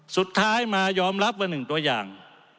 สุดท้ายมายอมรับว่าหนึ่งตัวอย่าง